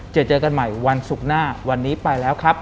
เจอเจอกันใหม่วันศุกร์หน้าวันนี้ไปแล้วครับ